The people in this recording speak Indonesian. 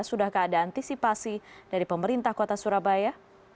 sudahkah ada antisipasi dari pemerintah kota surabaya